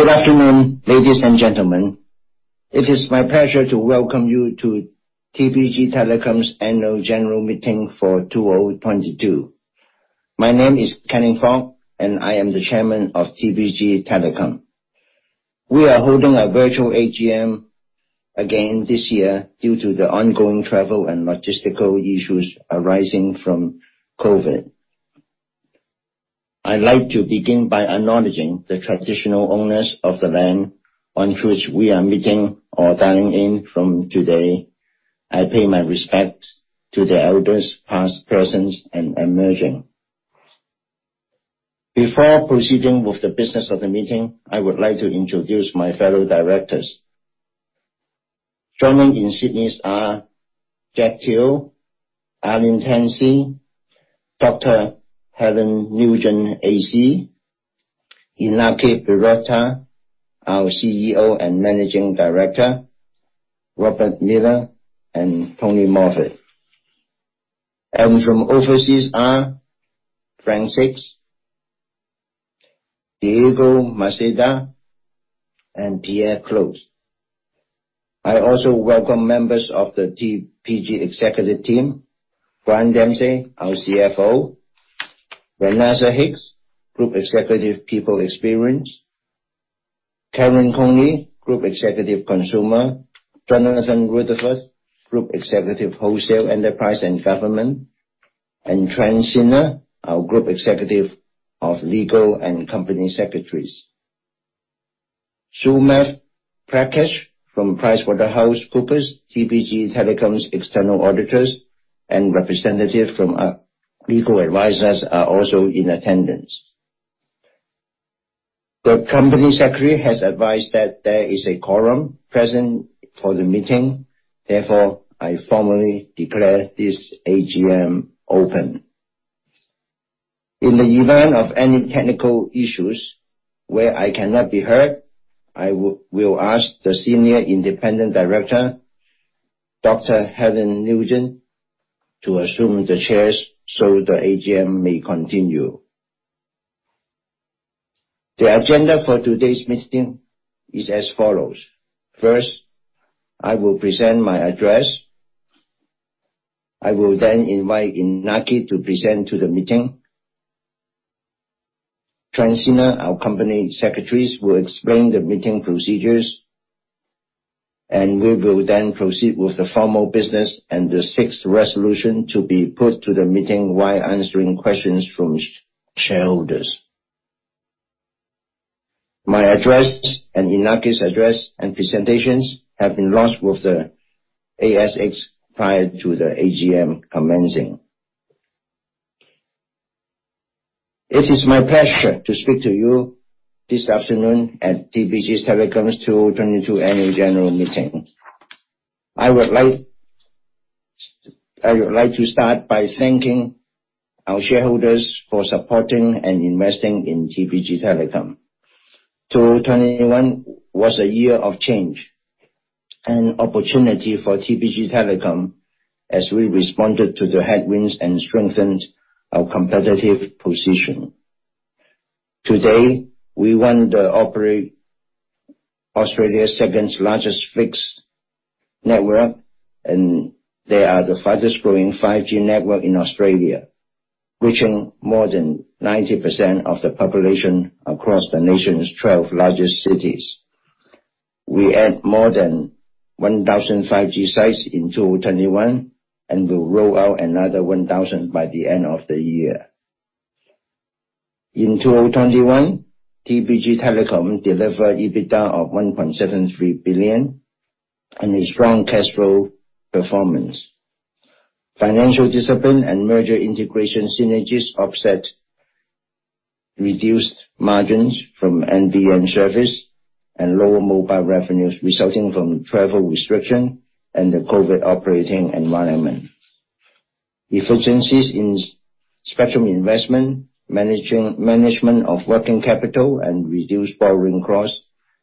Good afternoon, ladies and gentlemen. It is my pleasure to welcome you to TPG Telecom's annual general meeting for 2022. My name is Canning Fok, and I am the Chairman of TPG Telecom. We are holding our virtual AGM again this year due to the ongoing travel and logistical issues arising from COVID. I'd like to begin by acknowledging the traditional owners of the land on which we are meeting or dialing in from today. I pay my respects to the elders, past, present, and emerging. Before proceeding with the business of the meeting, I would like to introduce my fellow Directors. Joining in Sydney are Jack Teoh, Dr. Helen Nugent AC, Iñaki Berroeta, our CEO and Managing Director, Robert Millner, and Antony Moffatt. From overseas are Frank Sixt, Diego Massidda, and Pierre Klotz. I also welcome members of the TPG executive team. Grant Dempsey, our CFO, Vanessa Hicks, Group Executive, People Experience, Kieren Cooney, Group Executive, Consumer, Jonathan Rutherford, Group Executive, Wholesale Enterprise and Government, and Trent Czinner, our Group Executive of Legal and Company Secretaries. Sumeet Prakash from PricewaterhouseCoopers, TPG Telecom's external auditors, and representative from our legal advisors are also in attendance. The company secretary has advised that there is a quorum present for the meeting. Therefore, I formally declare this AGM open. In the event of any technical issues where I cannot be heard, I will ask the Senior Independent Director, Dr. Helen Nugent, to assume the chair so the AGM may continue. The agenda for today's meeting is as follows. First, I will present my address. I will then invite Iñaki to present to the meeting. Trent Czinner, our company secretary, will explain the meeting procedures, and we will then proceed with the formal business and the sixth resolution to be put to the meeting while answering questions from shareholders. My address and Iñaki's address and presentations have been lodged with the ASX prior to the AGM commencing. It is my pleasure to speak to you this afternoon at TPG Telecom's 2022 annual general meeting. I would like to start by thanking our shareholders for supporting and investing in TPG Telecom. 2021 was a year of change and opportunity for TPG Telecom as we responded to the headwinds and strengthened our competitive position. Today, we run and operate Australia's second-largest fixed network, and we are the fastest growing 5G network in Australia, reaching more than 90% of the population across the nation's 12 largest cities. We added more than 1,000 5G sites in 2021, and we'll roll out another 1,000 by the end of the year. In 2021, TPG Telecom delivered EBITDA of 1.73 billion and a strong cash flow performance. Financial discipline and merger integration synergies offset reduced margins from NBN service, and lower mobile revenues resulting from travel restrictions and the COVID operating environment. Efficiencies in spectrum investment, management of working capital, and reduced borrowing costs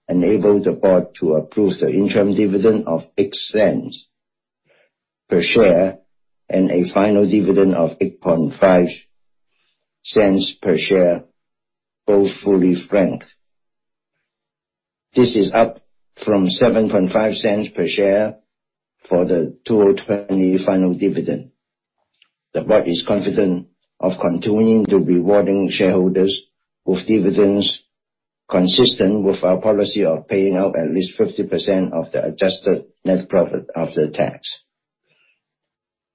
enabled the board to approve the interim dividend of 0.08 per share and a final dividend of 0.085 per share, both fully franked. This is up from 7.5 per share for the 2020 final dividend. The board is confident of continuing to rewarding shareholders with dividends consistent with our policy of paying out at least 50% of the adjusted net profit after tax.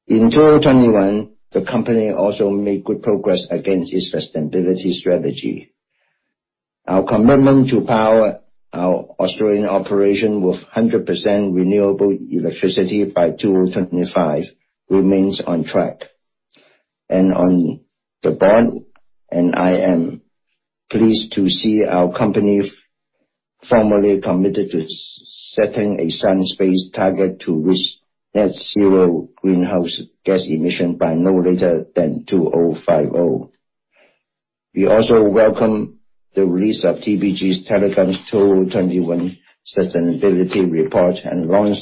In 2021, the company also made good progress against its sustainability strategy. Our commitment to power our Australian operation with 100% renewable electricity by 2025 remains on track. On the board, I am pleased to see our company formally committed to setting a science-based target to reach net zero greenhouse gas emission by no later than 2050. We also welcome the release of TPG Telecom's 2021 sustainability report and launch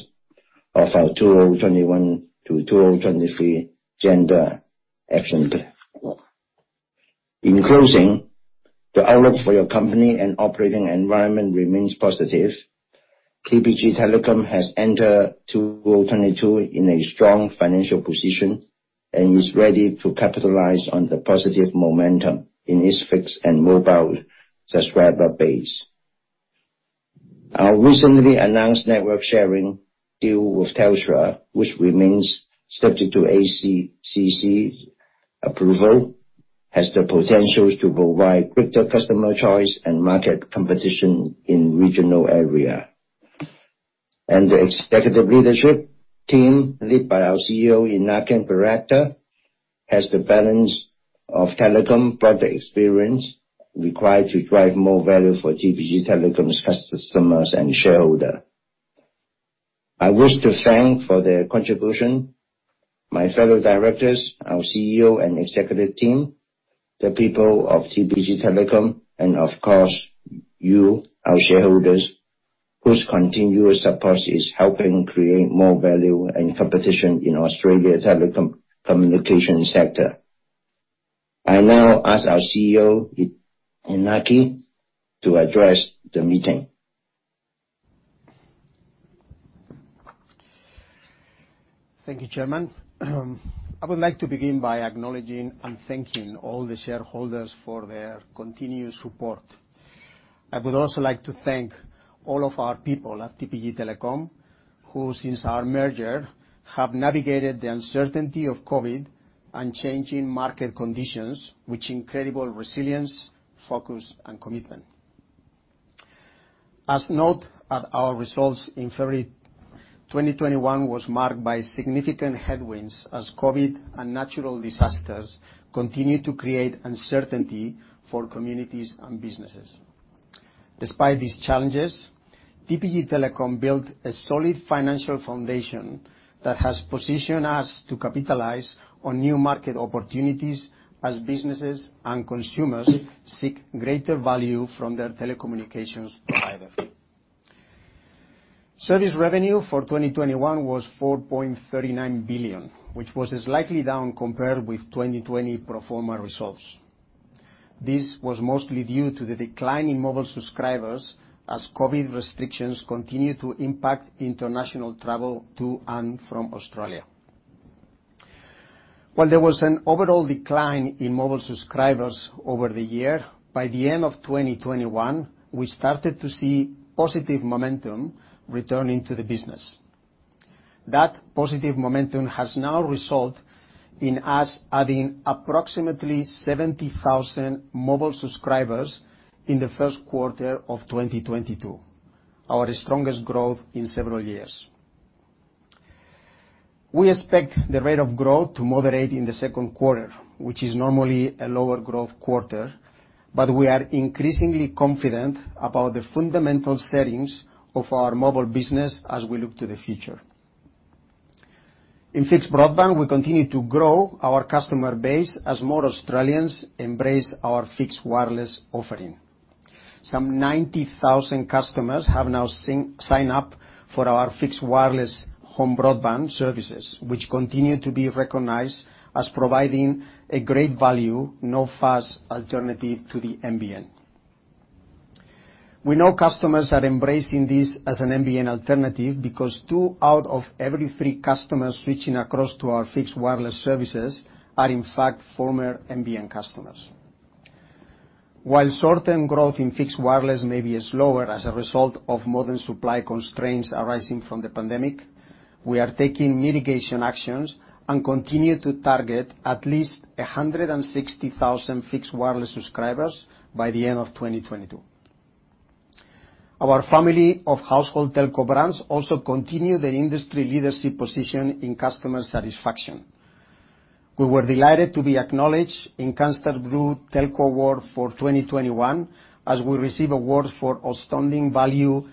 of our 2021-2023 gender action plan. In closing, the outlook for your company and operating environment remains positive. TPG Telecom has entered 2022 in a strong financial position and is ready to capitalize on the positive momentum in its fixed and mobile subscriber base. Our recently announced network sharing deal with Telstra, which remains subject to ACCC's approval, has the potential to provide quicker customer choice and market competition in regional area. The executive leadership team, led by our CEO, Iñaki Berroeta, has the balance of telecom product experience required to drive more value for TPG Telecom's customers and shareholder. I wish to thank for their contribution my fellow Directors, our CEO and executive team, the people of TPG Telecom, and of course, you, our shareholders, whose continuous support is helping create more value and competition in Australian telecommunications sector. I now ask our CEO, Iñaki, to address the meeting. Thank you, Chairman. I would like to begin by acknowledging and thanking all the shareholders for their continued support. I would also like to thank all of our people at TPG Telecom, who, since our merger, have navigated the uncertainty of COVID and changing market conditions with incredible resilience, focus, and commitment. A note on our results in February 2021 was marked by significant headwinds as COVID and natural disasters continued to create uncertainty for communities and businesses. Despite these challenges, TPG Telecom built a solid financial foundation that has positioned us to capitalize on new market opportunities as businesses and consumers seek greater value from their telecommunications provider. Service revenue for 2021 was 4.39 billion, which was slightly down compared with 2020 pro forma results. This was mostly due to the decline in mobile subscribers as COVID restrictions continued to impact international travel to and from Australia. While there was an overall decline in mobile subscribers over the year, by the end of 2021, we started to see positive momentum returning to the business. That positive momentum has now resulted in us adding approximately 70,000 mobile subscribers in the first quarter of 2022, our strongest growth in several years. We expect the rate of growth to moderate in the second quarter, which is normally a lower growth quarter, but we are increasingly confident about the fundamental settings of our mobile business as we look to the future. In fixed broadband, we continue to grow our customer base as more Australians embrace our fixed wireless offering. Some 90,000 customers have now signed up for our fixed wireless home broadband services, which continue to be recognized as providing a great value, low-cost fast alternative to the NBN. We know customers are embracing this as an NBN alternative because two out of every three customers switching across to our fixed wireless services are, in fact, former NBN customers. While short-term growth in fixed wireless may be slower as a result of modem supply constraints arising from the pandemic, we are taking mitigation actions and continue to target at least 160,000 fixed wireless subscribers by the end of 2022. Our family of household telco brands also continue their industry leadership position in customer satisfaction. We were delighted to be acknowledged in Canstar Blue Telco Award for 2021 as we receive awards for outstanding value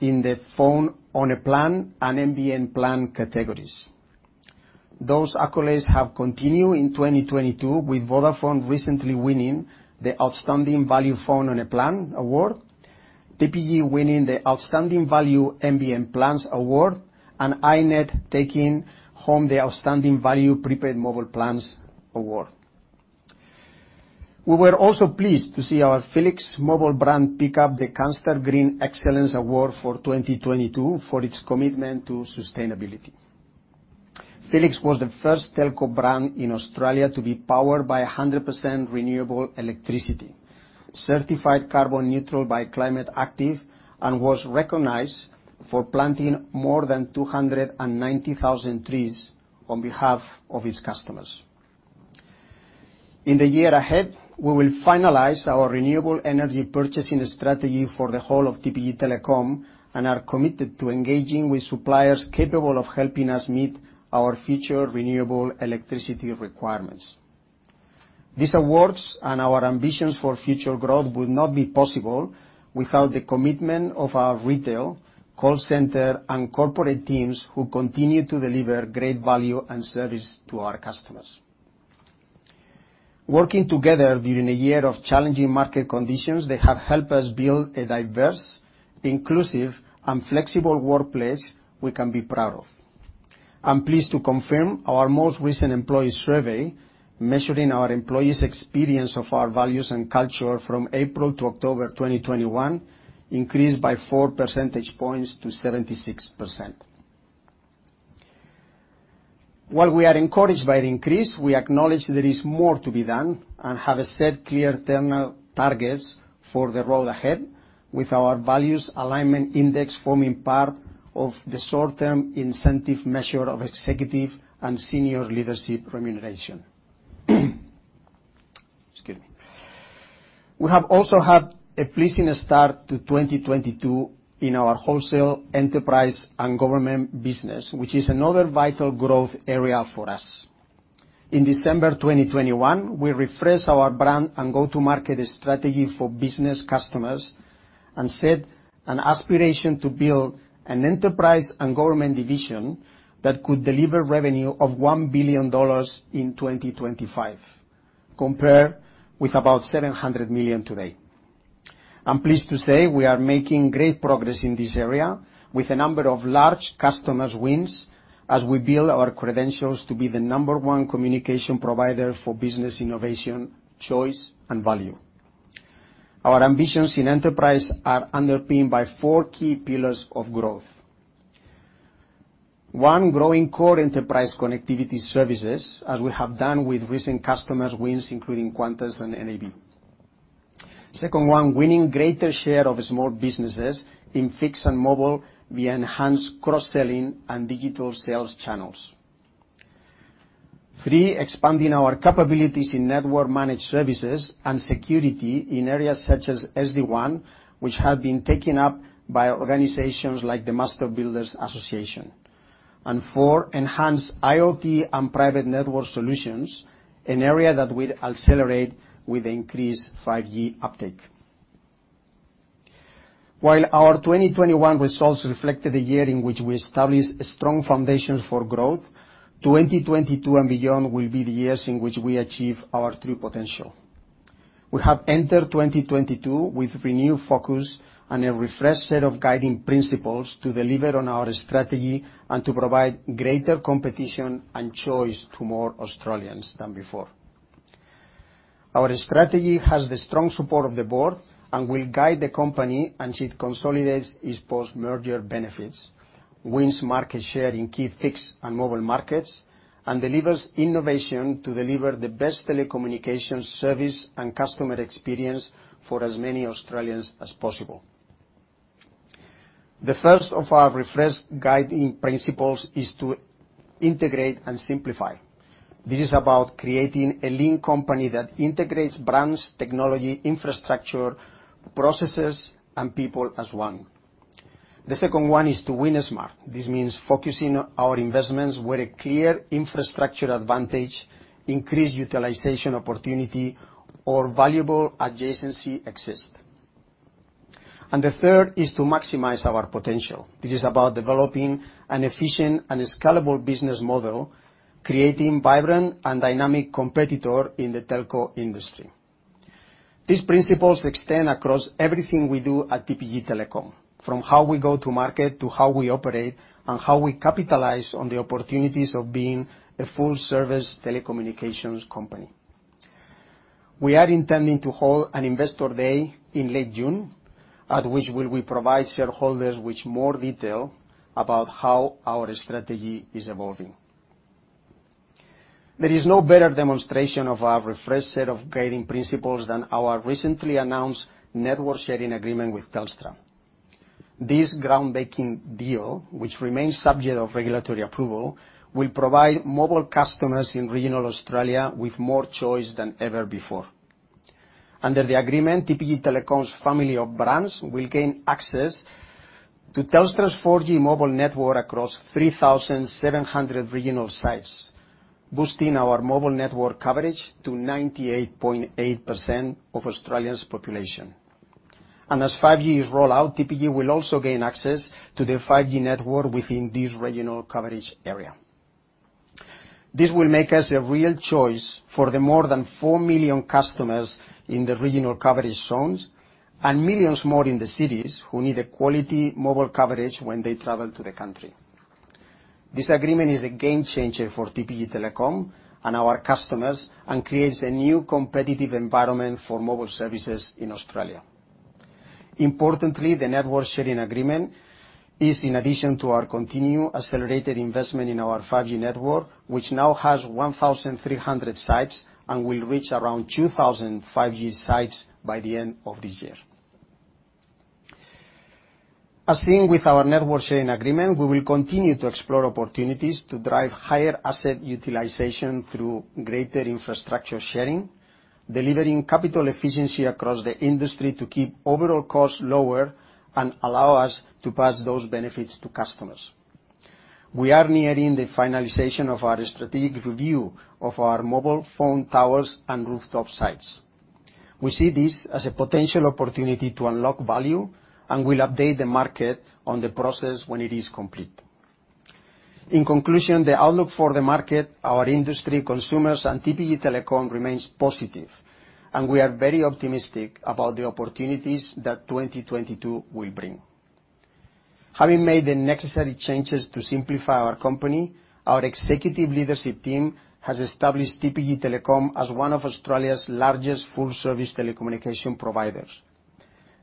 in the phone on a plan and NBN plan categories. Those accolades have continued in 2022 with Vodafone recently winning the Outstanding Value Phone on a Plan award, TPG winning the Outstanding Value NBN Plans award, and iiNet taking home the Outstanding Value Prepaid Mobile Plans award. We were also pleased to see our Felix mobile brand pick up the Canstar Blue Green Excellence Award for 2022 for its commitment to sustainability. Felix was the first telco brand in Australia to be powered by 100% renewable electricity, certified carbon neutral by Climate Active, and was recognized for planting more than 290,000 trees on behalf of its customers. In the year ahead, we will finalize our renewable energy purchasing strategy for the whole of TPG Telecom, and are committed to engaging with suppliers capable of helping us meet our future renewable electricity requirements. These awards and our ambitions for future growth would not be possible without the commitment of our retail, call center, and corporate teams who continue to deliver great value and service to our customers. Working together during a year of challenging market conditions, they have helped us build a diverse, inclusive, and flexible workplace we can be proud of. I'm pleased to confirm our most recent employee survey, measuring our employees' experience of our values and culture from April to October 2021, increased by 4 percentage points to 76%. While we are encouraged by the increase, we acknowledge there is more to be done and have set clear targets for the road ahead with our values alignment index forming part of the short-term incentive measure of executive and senior leadership remuneration. Excuse me. We have also had a pleasing start to 2022 in our wholesale enterprise and government business, which is another vital growth area for us. In December 2021, we refreshed our brand and go-to-market strategy for business customers and set an aspiration to build an enterprise and government division that could deliver revenue of 1 billion dollars in 2025, compared with about 700 million today. I'm pleased to say we are making great progress in this area with a number of large customer wins as we build our credentials to be the number one communication provider for business innovation, choice, and value. Our ambitions in enterprise are underpinned by four key pillars of growth. One, growing core enterprise connectivity services, as we have done with recent customers wins, including Qantas and NAB. Second one, winning greater share of small businesses in fixed and mobile via enhanced cross-selling and digital sales channels. Three, expanding our capabilities in network managed services and security in areas such as SD-WAN, which have been taken up by organizations like the Master Builders Association. And four, enhance IoT and private network solutions, an area that will accelerate with increased 5G uptake. While our 2021 results reflected a year in which we established strong foundations for growth, 2022 and beyond will be the years in which we achieve our true potential. We have entered 2022 with renewed focus and a refreshed set of guiding principles to deliver on our strategy and to provide greater competition and choice to more Australians than before. Our strategy has the strong support of the board and will guide the company as it consolidates its post-merger benefits, wins market share in key fixed and mobile markets, and delivers innovation to deliver the best telecommunication service and customer experience for as many Australians as possible. The first of our refreshed guiding principles is to integrate and simplify. This is about creating a lean company that integrates brands, technology, infrastructure, processes, and people as one. The second one is to win smart. This means focusing our investments where a clear infrastructure advantage, increased utilization opportunity, or valuable adjacency exist. The third is to maximize our potential. This is about developing an efficient and scalable business model, creating vibrant and dynamic competitor in the telco industry. These principles extend across everything we do at TPG Telecom, from how we go to market, to how we operate, and how we capitalize on the opportunities of being a full-service telecommunications company. We are intending to hold an investor day in late June, at which will we provide shareholders with more detail about how our strategy is evolving. There is no better demonstration of our refreshed set of guiding principles than our recently announced network sharing agreement with Telstra. This groundbreaking deal, which remains subject of regulatory approval, will provide mobile customers in regional Australia with more choice than ever before. Under the agreement, TPG Telecom's family of brands will gain access to Telstra's 4G mobile network across 3,700 regional sites, boosting our mobile network coverage to 98.8% of Australia's population. As 5G is rolled out, TPG will also gain access to the 5G network within this regional coverage area. This will make us a real choice for the more than 4 million customers in the regional coverage zones, and millions more in the cities who need a quality mobile coverage when they travel to the country. This agreement is a game changer for TPG Telecom and our customers, and creates a new competitive environment for mobile services in Australia. Importantly, the network sharing agreement is in addition to our continued accelerated investment in our 5G network, which now has 1,300 sites and will reach around 2,000 5G sites by the end of this year. As seen with our network sharing agreement, we will continue to explore opportunities to drive higher asset utilization through greater infrastructure sharing, delivering capital efficiency across the industry to keep overall costs lower and allow us to pass those benefits to customers. We are nearing the finalization of our strategic review of our mobile phone towers and rooftop sites. We see this as a potential opportunity to unlock value, and we'll update the market on the process when it is complete. In conclusion, the outlook for the market, our industry, consumers, and TPG Telecom remains positive, and we are very optimistic about the opportunities that 2022 will bring. Having made the necessary changes to simplify our company, our executive leadership team has established TPG Telecom as one of Australia's largest full-service telecommunications providers,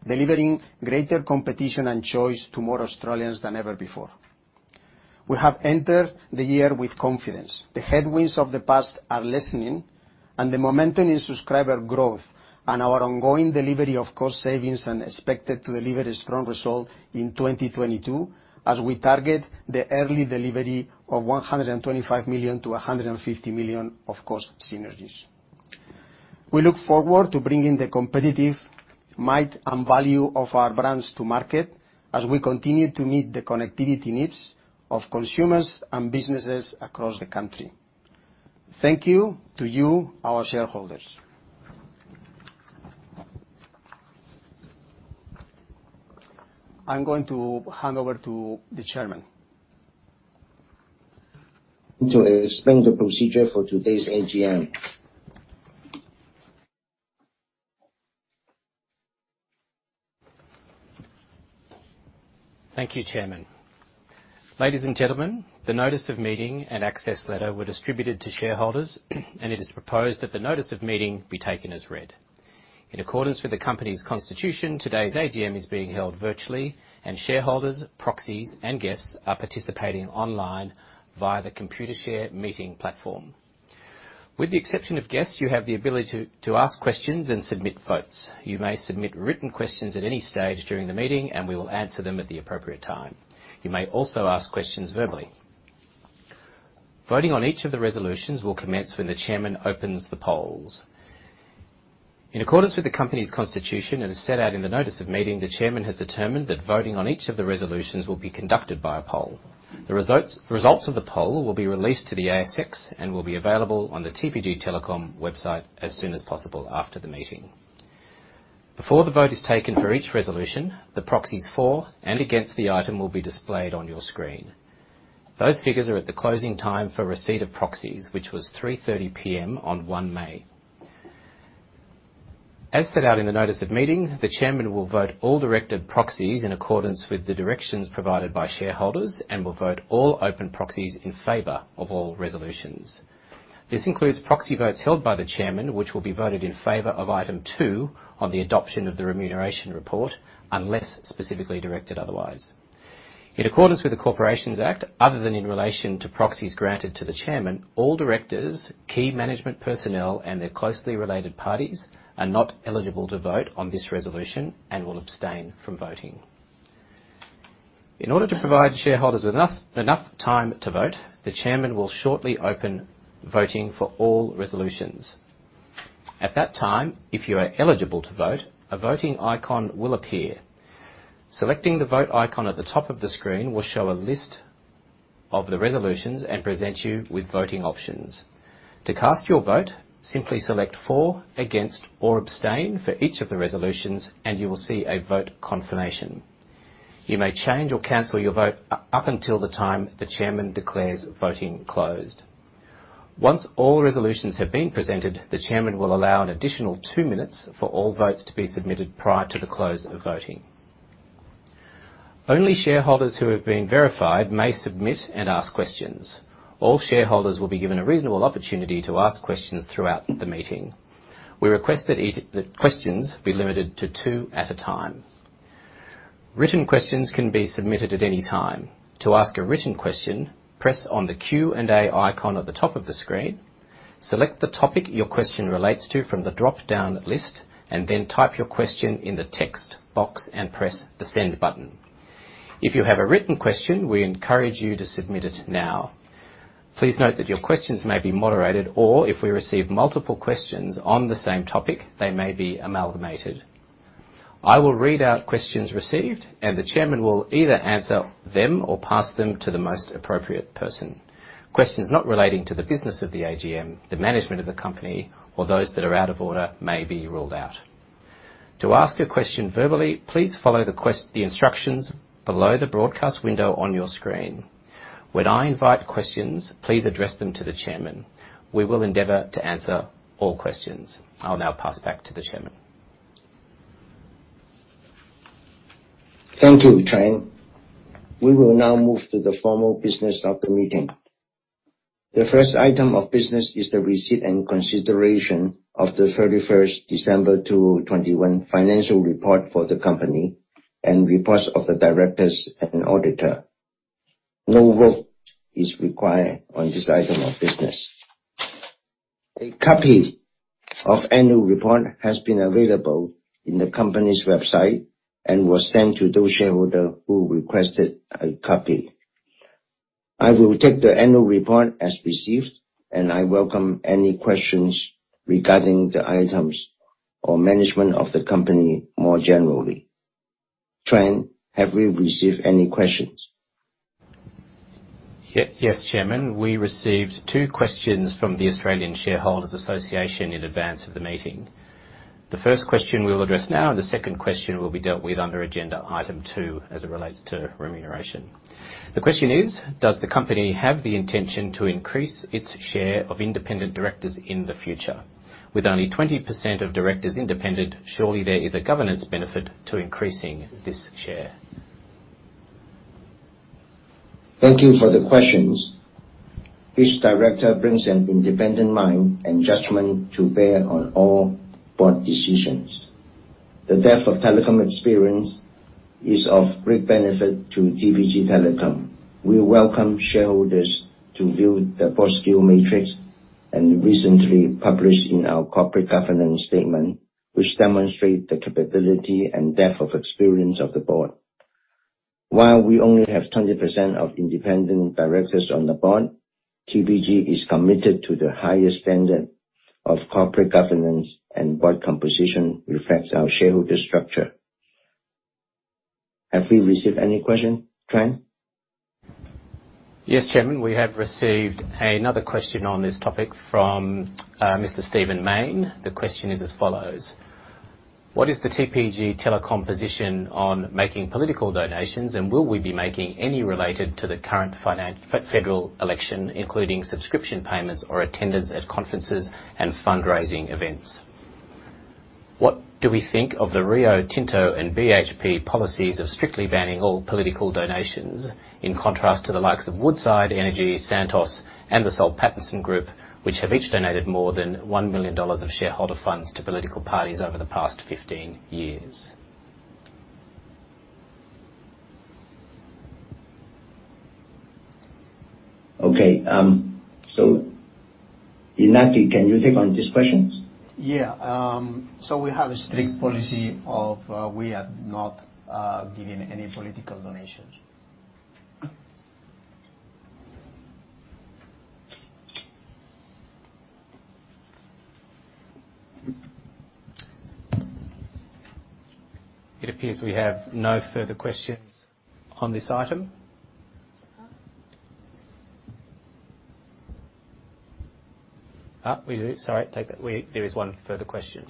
delivering greater competition and choice to more Australians than ever before. We have entered the year with confidence. The headwinds of the past are lessening, and the momentum in subscriber growth and our ongoing delivery of cost savings and expected to deliver a strong result in 2022, as we target the early delivery of 125 million-150 million of cost synergies. We look forward to bringing the competitive might and value of our brands to market as we continue to meet the connectivity needs of consumers and businesses across the country. Thank you to you, our shareholders. I'm going to hand over to the chairman. To explain the procedure for today's AGM. Thank you, Chairman. Ladies and gentlemen, the notice of meeting and access letter were distributed to shareholders, and it is proposed that the notice of meeting be taken as read. In accordance with the company's constitution, today's AGM is being held virtually, and shareholders, proxies, and guests are participating online via the Computershare meeting platform. With the exception of guests, you have the ability to ask questions and submit votes. You may submit written questions at any stage during the meeting, and we will answer them at the appropriate time. You may also ask questions verbally. Voting on each of the resolutions will commence when the chairman opens the polls. In accordance with the company's constitution and as set out in the notice of meeting, the chairman has determined that voting on each of the resolutions will be conducted by a poll. The results of the poll will be released to the ASX and will be available on the TPG Telecom website as soon as possible after the meeting. Before the vote is taken for each resolution, the proxies for and against the item will be displayed on your screen. Those figures are at the closing time for receipt of proxies, which was 3:30 P.M. on 1 May. As set out in the notice of meeting, the chairman will vote all directed proxies in accordance with the directions provided by shareholders and will vote all open proxies in favor of all resolutions. This includes proxy votes held by the chairman, which will be voted in favor of item two on the adoption of the remuneration report, unless specifically directed otherwise. In accordance with the Corporations Act, other than in relation to proxies granted to the chairman, all directors, key management personnel, and their closely related parties are not eligible to vote on this resolution and will abstain from voting. In order to provide shareholders enough time to vote, the chairman will shortly open voting for all resolutions. At that time, if you are eligible to vote, a voting icon will appear. Selecting the vote icon at the top of the screen will show a list of the resolutions and present you with voting options. To cast your vote, simply select for, against, or abstain for each of the resolutions, and you will see a vote confirmation. You may change or cancel your vote up until the time the chairman declares voting closed. Once all resolutions have been presented, the chairman will allow an additional two minutes for all votes to be submitted prior to the close of voting. Only shareholders who have been verified may submit and ask questions. All shareholders will be given a reasonable opportunity to ask questions throughout the meeting. We request that questions be limited to two at a time. Written questions can be submitted at any time. To ask a written question, press on the Q&A icon at the top of the screen, select the topic your question relates to from the dropdown list, and then type your question in the text box, and press the send button. If you have a written question, we encourage you to submit it now. Please note that your questions may be moderated or if we receive multiple questions on the same topic, they may be amalgamated. I will read out questions received, and the chairman will either answer them or pass them to the most appropriate person. Questions not relating to the business of the AGM, the management of the company, or those that are out of order may be ruled out. To ask a question verbally, please follow the instructions below the broadcast window on your screen. When I invite questions, please address them to the chairman. We will endeavor to answer all questions. I'll now pass back to the Chairman. Thank you, Trent. We will now move to the formal business of the meeting. The first item of business is the receipt and consideration of the 31st December 2021 financial report for the company, and reports of the directors and auditor. No vote is required on this item of business. A copy of annual report has been available on the company's website and was sent to those shareholders who requested a copy. I will take the annual report as received, and I welcome any questions regarding the items or management of the company more generally. Trent, have we received any questions? Yes, Chairman. We received two questions from the Australian Shareholders' Association in advance of the meeting. The first question we'll address now, and the second question will be dealt with under agenda item two as it relates to remuneration. The question is: Does the company have the intention to increase its share of independent directors in the future? With only 20% of directors independent, surely there is a governance benefit to increasing this share. Thank you for the questions. Each director brings an independent mind and judgment to bear on all board decisions. The depth of telecom experience is of great benefit to TPG Telecom. We welcome shareholders to view the board skill matrix and recently published in our corporate governance statement, which demonstrate the capability and depth of experience of the board. While we only have 20% of independent directors on the board, TPG is committed to the highest standard of corporate governance and board composition reflects our shareholder structure. Have we received any question, Trent? Yes, Chairman, we have received another question on this topic from Mr. Stephen Mayne. The question is as follows: What is the TPG Telecom position on making political donations, and will we be making any related to the current federal election, including subscription payments or attendance at conferences and fundraising events? What do we think of the Rio Tinto and BHP policies of strictly banning all political donations in contrast to the likes of Woodside Energy, Santos, and the Soul Pattinson Group, which have each donated more than 1 million dollars of shareholder funds to political parties over the past 15 years? Okay. Iñaki, can you take on these questions? We have a strict policy of not giving any political donations. It appears we have no further questions on this item. We do. Sorry, take that. There is one further question.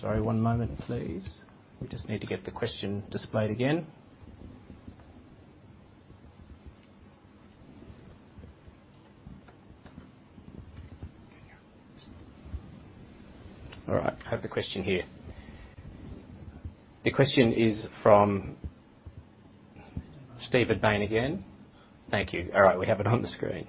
Sorry, one moment please. We just need to get the question displayed again. All right. I have the question here. The question is from Stephen Mayne again. Thank you. All right, we have it on the screen.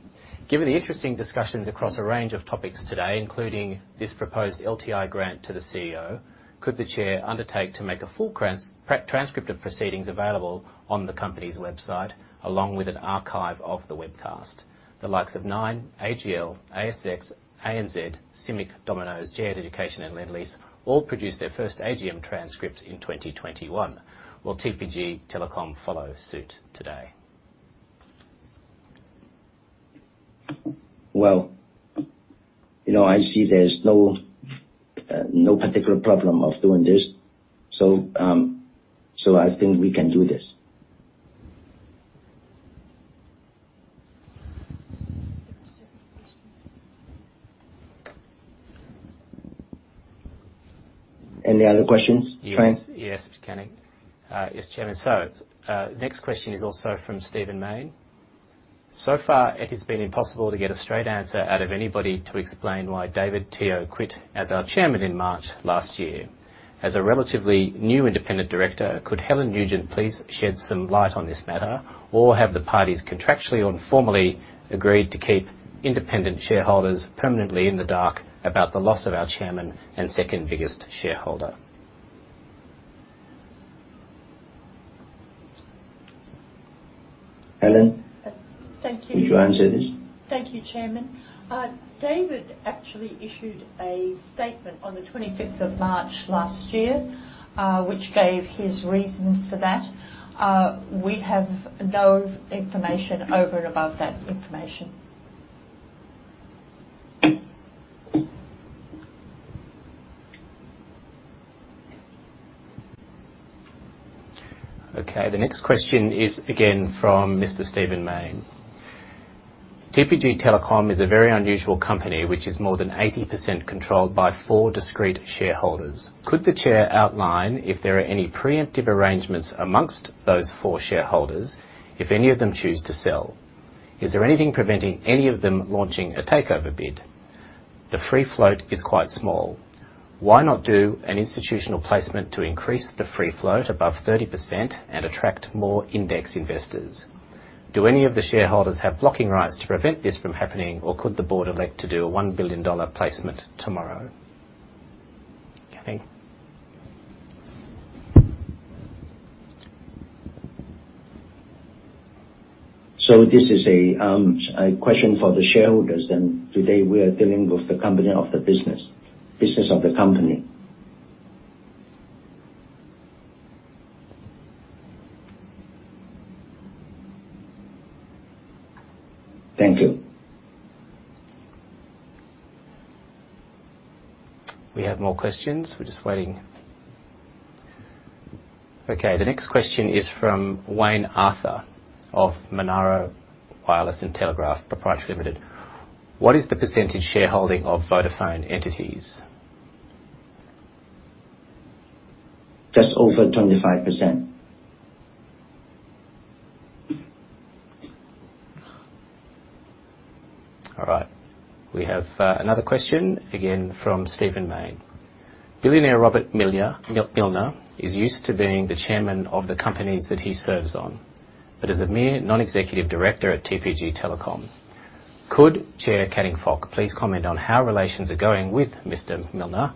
Given the interesting discussions across a range of topics today, including this proposed LTI grant to the CEO, could the chair undertake to make a full transcript of proceedings available on the company's website, along with an archive of the webcast? The likes of Nine, AGL, ASX, ANZ, CIMIC, Domino's, G8 Education, and Lendlease all produced their first AGM transcripts in 2021. Will TPG Telecom follow suit today? Well, you know, I see there's no particular problem of doing this, so I think we can do this. Any other questions, Trent? Yes. Yes. Canning. Yes, Chairman. Next question is also from Stephen Mayne. So far, it has been impossible to get a straight answer out of anybody to explain why David Teoh quit as our Chairman in March last year. As a relatively new independent director, could Helen Nugent please shed some light on this matter? Or have the parties contractually or informally agreed to keep independent shareholders permanently in the dark about the loss of our chairman and second biggest shareholder? Helen- Thank you. Would you answer this? Thank you, Chairman. David actually issued a statement on the 25th of March last year, which gave his reasons for that. We have no information over and above that information. Okay. The next question is again from Mr. Stephen Mayne. TPG Telecom is a very unusual company, which is more than 80% controlled by four discrete shareholders. Could the chair outline if there are any preemptive arrangements amongst those four shareholders, if any of them choose to sell? Is there anything preventing any of them launching a takeover bid? The free float is quite small. Why not do an institutional placement to increase the free float above 30% and attract more index investors? Do any of the shareholders have blocking rights to prevent this from happening, or could the board elect to do an 1 billion dollar placement tomorrow? Canning. This is a question for the shareholders, and today we are dealing with the business of the company. Thank you. We have more questions. We're just waiting. Okay, the next question is from Wayne Arthur of Monaro Wireless and Telegraph Proprietary Limited. What is the percentage shareholding of Vodafone entities? Just over 25%. All right. We have another question, again from Stephen Mayne. Billionaire Robert Millner is used to being the Chairman of the companies that he serves on, but is a mere Non-Executive Director at TPG Telecom. Could Chair Canning Fok please comment on how relations are going with Mr. Millner,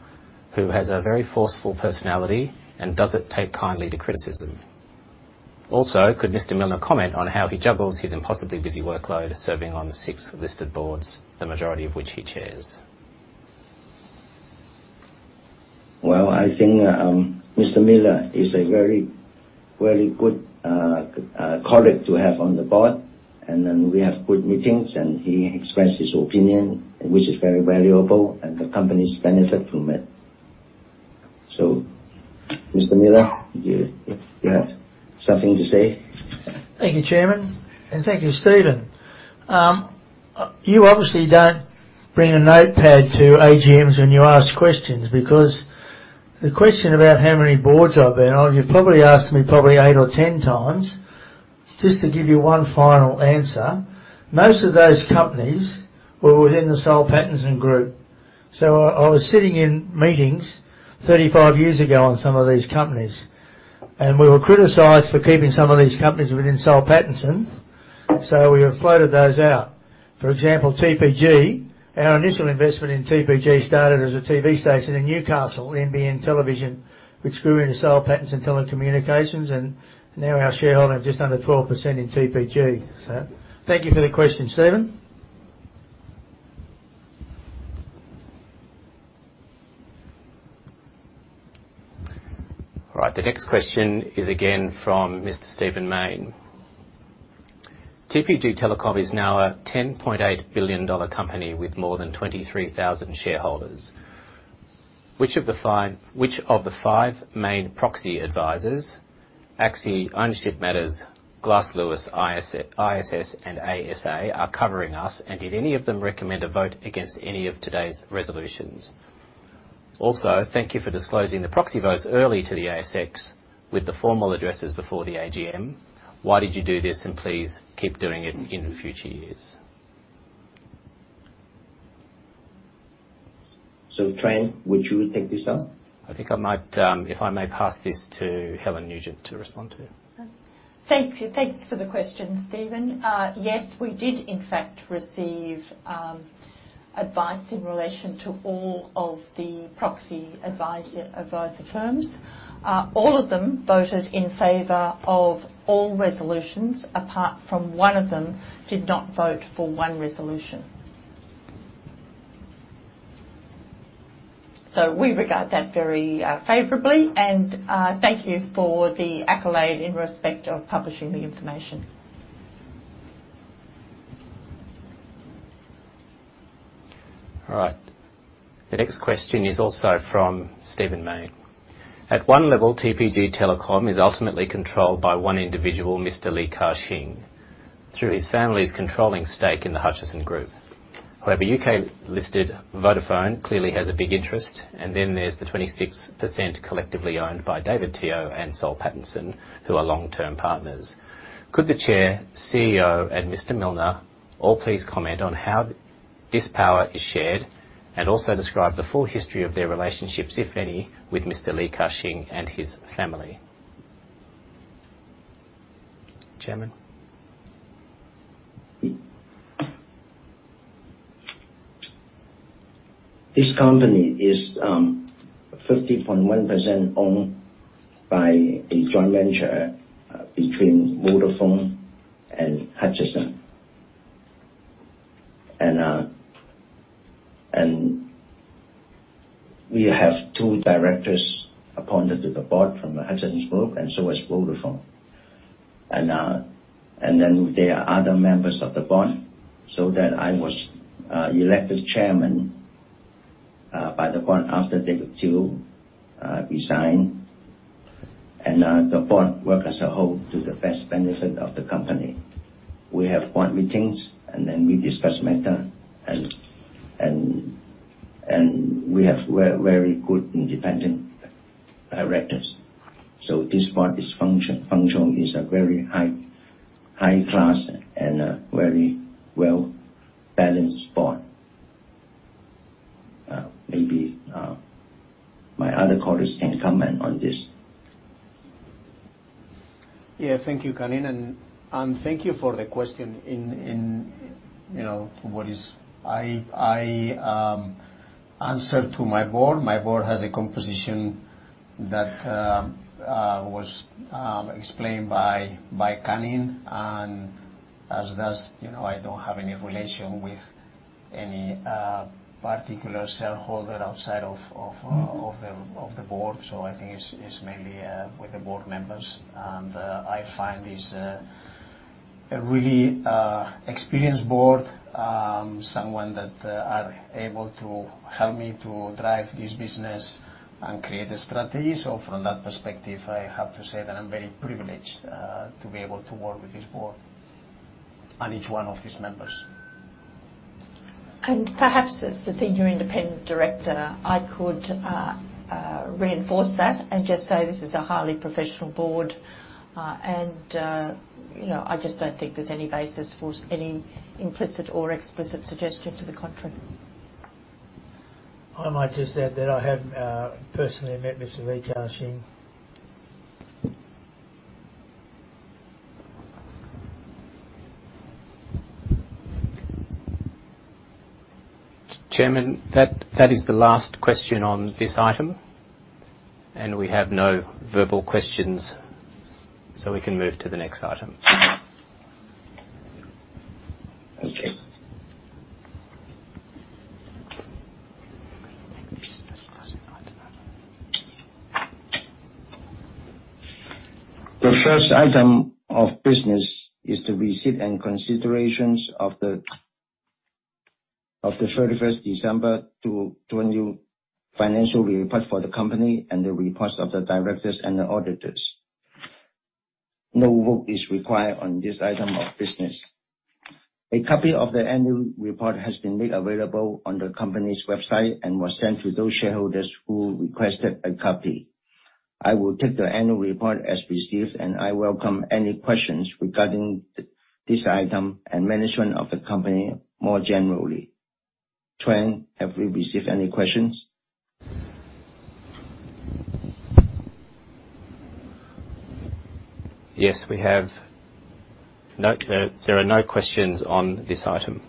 who has a very forceful personality, and doesn't take kindly to criticism? Also, could Mr. Millner comment on how he juggles his impossibly busy workload serving on the six listed boards, the majority of which he chairs? Well, I think, Mr. Millner is a very, very good colleague to have on the board, and then we have good meetings, and he expresses his opinion, which is very valuable and the companies benefit from it. Mr. Millner, do you have something to say? Thank you, Chairman, and thank you, Stephen. You obviously don't bring a notepad to AGMs when you ask questions because the question about how many boards I've been on, you've probably asked me 8 or 10 times. Just to give you one final answer, most of those companies were within the Soul Pattinson Group. I was sitting in meetings 35 years ago on some of these companies, and we were criticized for keeping some of these companies within Soul Pattinson, so we have floated those out. For example, TPG, our initial investment in TPG started as a TV station in Newcastle, NBN Television, which grew into Soul Pattinson Telecommunications, and now our shareholding just under 12% in TPG. Thank you for the question, Stephen. All right. The next question is again from Mr. Stephen Mayne. TPG Telecom is now an 10.8 billion dollar company with more than 23,000 shareholders. Which of the five main proxy advisors, ACSI, Ownership Matters, Glass Lewis, ISS, and ASA are covering us? And did any of them recommend a vote against any of today's resolutions? Also, thank you for disclosing the proxy votes early to the ASX with the formal addresses before the AGM. Why did you do this? And please keep doing it in the future years. Trent, would you take this on? I think I might, if I may pass this to Helen Nugent to respond to. Thank you. Thanks for the question, Stephen. Yes, we did in fact receive advice in relation to all of the proxy advisory firms. All of them voted in favor of all resolutions apart from one of them did not vote for one resolution. We regard that very favorably. Thank you for the accolade in respect of publishing the information. All right. The next question is also from Stephen Mayne. At one level, TPG Telecom is ultimately controlled by one individual, Mr. Li Ka-shing, through his family's controlling stake in the Hutchison Group. However, UK-listed Vodafone clearly has a big interest, and then there's the 26% collectively owned by David Teoh and Soul Pattinson, who are long-term partners. Could the chair, CEO and Mr. Millner all please comment on how this power is shared, and also describe the full history of their relationships, if any, with Mr. Li Ka-shing and his family? Chairman? This company is 50.1% owned by a joint venture between Vodafone and Hutchison. We have two directors appointed to the board from the Hutchison Group, and so is Vodafone. Then there are other members of the board, so that I was elected chairman by the board after David Teoh resigned. The board work as a whole to the best benefit of the company. We have board meetings, and then we discuss matter, and we have very good independent directors. This board is functional, is a very high class and a very well-balanced board. Maybe my other colleagues can comment on this. Yeah, thank you, Canning. Thank you for the question, you know, what is I answer to my board. My board has a composition that was explained by Canning. As such, you know, I don't have any relation with any particular shareholder outside of the board. I think it's mainly with the board members. I find this. A really experienced board. Someone that are able to help me to drive this business and create a strategy. From that perspective, I have to say that I'm very privileged to be able to work with this board and each one of these members. Perhaps as the Senior Independent Director, I could reinforce that and just say this is a highly professional board. You know, I just don't think there's any basis for any implicit or explicit suggestion to the contrary. I might just add that I have personally met Mr. Li Ka-shing. Chairman, that is the last question on this item, and we have no verbal questions, so we can move to the next item. Thank you. The first item of business is the receipt and consideration of the 31st December 2020 financial report for the company and the reports of the directors and the auditors. No vote is required on this item of business. A copy of the annual report has been made available on the company's website and was sent to those shareholders who requested a copy. I will take the annual report as received, and I welcome any questions regarding this item and management of the company more generally. Trent, have we received any questions? Yes, we have. Note that there are no questions on this item.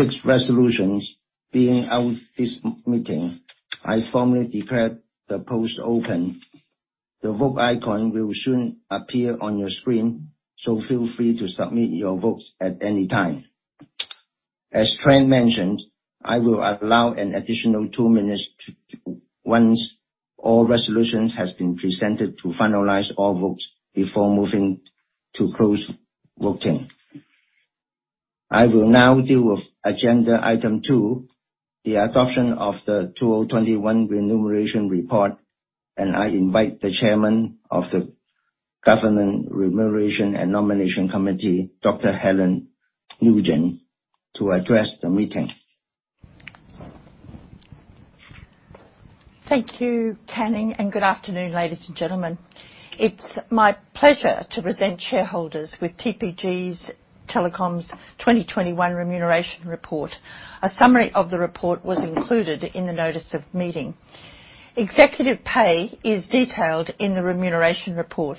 Thank you. Thank you. We now move to the six resolutions put to the vote of this meeting. I formally declare the poll is open. The vote icon will soon appear on your screen, so feel free to submit your votes at any time. As Trent mentioned, I will allow an additional two minutes, once all resolutions have been presented, to finalize all votes before moving to close voting. I will now deal with agenda item two, the adoption of the 2021 remuneration report, and I invite the Chairman of the Governance, Remuneration & Nomination Committee, Dr. Helen Nugent, to address the meeting. Thank you, Canning, and good afternoon, ladies and gentlemen. It's my pleasure to present shareholders with TPG Telecom's 2021 remuneration report. A summary of the report was included in the notice of meeting. Executive pay is detailed in the remuneration report.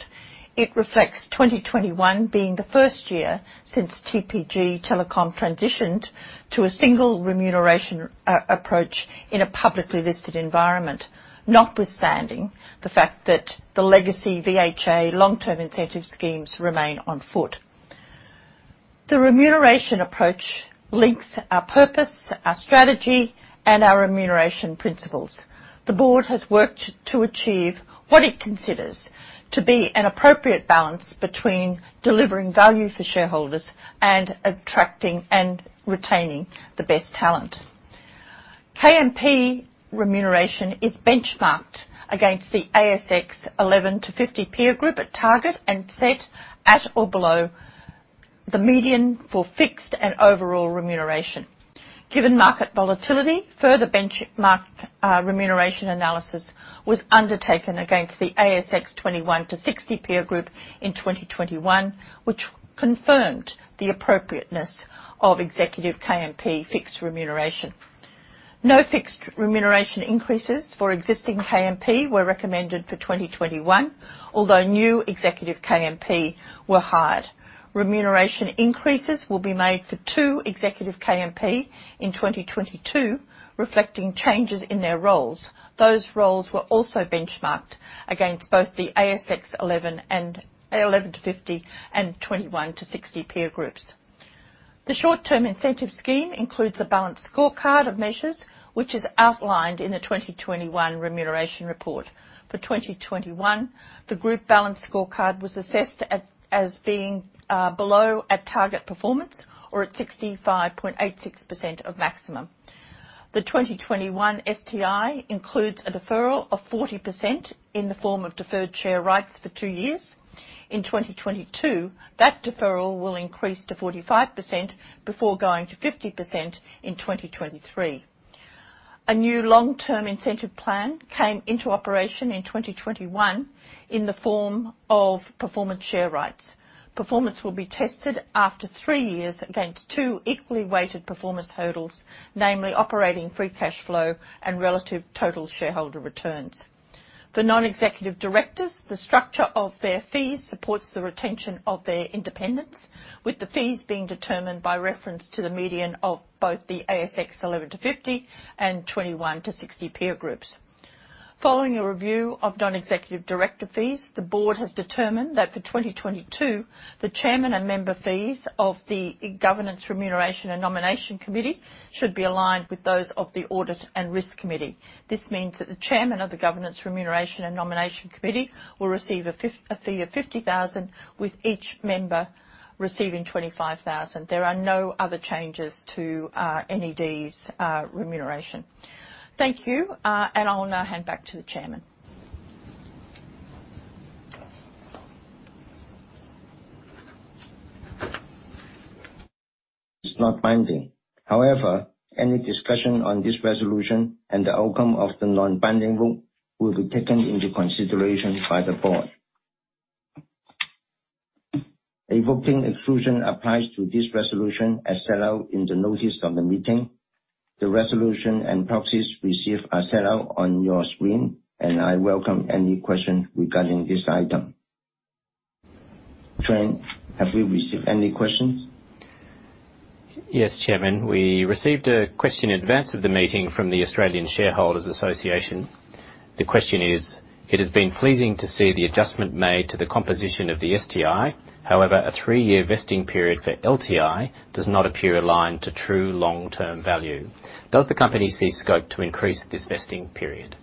It reflects 2021 being the first year since TPG Telecom transitioned to a single remuneration approach in a publicly listed environment, notwithstanding the fact that the legacy VHA long-term incentive schemes remain on foot. The remuneration approach links our purpose, our strategy, and our remuneration principles. The board has worked to achieve what it considers to be an appropriate balance between delivering value for shareholders and attracting and retaining the best talent. KMP remuneration is benchmarked against the ASX 11-50 peer group at target and set at or below the median for fixed and overall remuneration. Given market volatility, further benchmark remuneration analysis was undertaken against the ASX 21-60 peer group in 2021, which confirmed the appropriateness of executive KMP fixed remuneration. No fixed remuneration increases for existing KMP were recommended for 2021, although new executive KMP were hired. Remuneration increases will be made for two executive KMP in 2022, reflecting changes in their roles. Those roles were also benchmarked against both the ASX 11-50 and 21-60 peer groups. The short-term incentive scheme includes a balanced scorecard of measures, which is outlined in the 2021 remuneration report. For 2021, the group balanced scorecard was assessed as being below target performance at 65.86% of maximum. The 2021 STI includes a deferral of 40% in the form of deferred share rights for two years. In 2022, that deferral will increase to 45% before going to 50% in 2023. A new long-term incentive plan came into operation in 2021 in the form of performance share rights. Performance will be tested after three years against two equally weighted performance totals, namely operating free cash flow and relative total shareholder returns. For non-executive directors, the structure of their fees supports the retention of their independence, with the fees being determined by reference to the median of both the ASX 11-50 and 21-60 peer groups. Following a review of non-executive director fees, the board has determined that for 2022, the chairman and member fees of the Governance, Remuneration & Nomination Committee should be aligned with those of the Audit & Risk Committee. This means that the chairman of the Governance, Remuneration & Nomination Committee will receive a fee of 50,000, with each member receiving 25,000. There are no other changes to NED's remuneration. Thank you, and I'll now hand back to the Chairman. It's not binding. However, any discussion on this resolution and the outcome of the non-binding vote will be taken into consideration by the board. A voting exclusion applies to this resolution as set out in the notice of the meeting. The resolution and proxies received are set out on your screen, and I welcome any question regarding this item. Trent, have we received any questions? Yes, Chairman. We received a question in advance of the meeting from the Australian Shareholders' Association. The question is: It has been pleasing to see the adjustment made to the composition of the STI. However, a three-year vesting period for LTI does not appear aligned to true long-term value. Does the company see scope to increase this vesting period?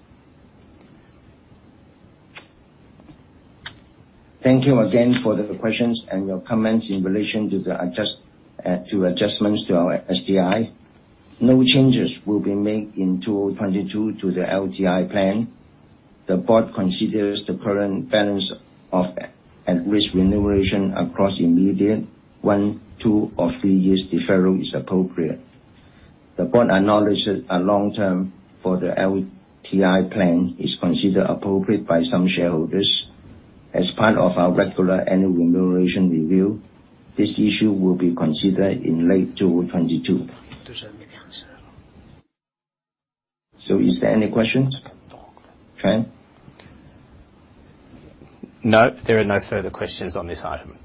Thank you again for the questions and your comments in relation to the adjustments to our STI. No changes will be made in 2022 to the LTI plan. The board considers the current balance of at-risk remuneration across immediate one, two, or three years deferral is appropriate. The board acknowledges a long-term for the LTI plan is considered appropriate by some shareholders. As part of our regular annual remuneration review, this issue will be considered in late 2022. Is there any questions? Trent? No, there are no further questions on this item.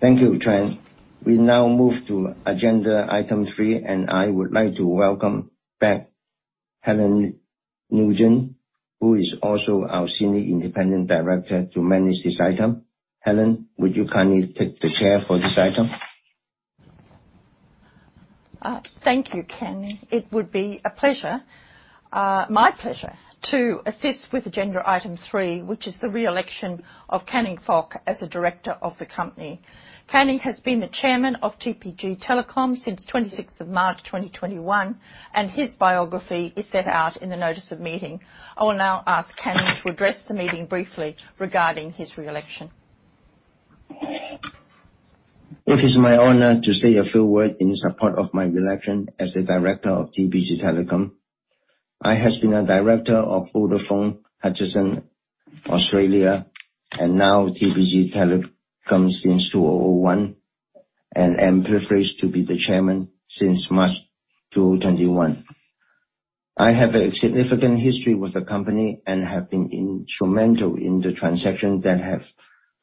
Thank you, Trent. We now move to agenda item three. I would like to welcome back Helen Nugent, who is also our Senior Independent Director to manage this item. Helen, would you kindly take the chair for this item? Thank you, Canning. It would be a pleasure, my pleasure to assist with agenda item three, which is the re-election of Canning Fok as a Director of the company. Canning has been the Chairman of TPG Telecom since 26th of March 2021, and his biography is set out in the notice of meeting. I will now ask Canning to address the meeting briefly regarding his re-election. It is my honor to say a few words in support of my re-election as a Director of TPG Telecom. I have been a Director of Vodafone Hutchison Australia and now TPG Telecom since 2001, and am privileged to be the chairman since March 2021. I have a significant history with the company and have been instrumental in the transactions that have